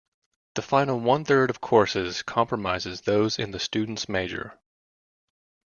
The final one-third of courses comprises those in the student's major.